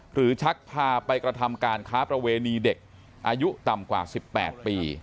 ชักพาไปกระทำการค้าประเวณีเด็กอายุต่ำกว่า๑๘ปี